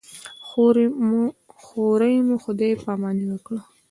هورې مو خدای پاماني وکړه.